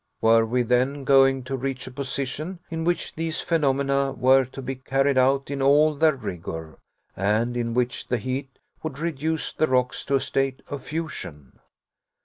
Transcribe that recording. Were we, then, going to reach a position in which these phenomena were to be carried out in all their rigor, and in which the heat would reduce the rocks to a state of fusion?